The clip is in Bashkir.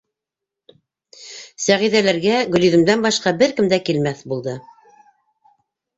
Сәғиҙәләргә, Гөлйөҙөмдән башҡа, бер кем дә килмәҫ булды.